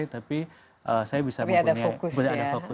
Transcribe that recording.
tapi saya bisa mempunyai boleh ada fokus